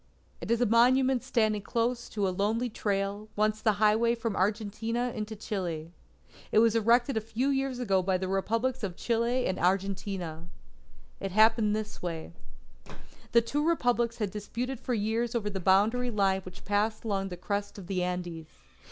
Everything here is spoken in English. It is a monument standing close to a lonely trail, once the highway from Argentina into Chile. It was erected a few years ago by the Republics of Chile and Argentina. It happened this way: The two Republics had disputed for years over the boundary line which passed along the crest of the Andes.